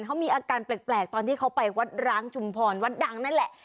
เขามีอาการแปลกตอนที่เขาไปวัดร้างชุมพรวัดดังนั่นแหละ